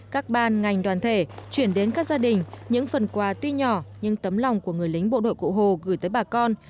các ban ngành đoàn thể chuyển đến các gia đình những phần quà tuy nhỏ nhưng tấm lòng của người lính bộ đội cụ hồ gửi tới bà con